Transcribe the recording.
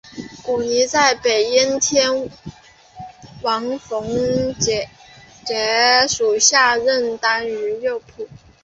古泥在北燕天王冯跋属下任单于右辅。